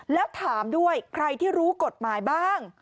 แล้วถามด้วยใครที่รู้กฎหมายบ้าง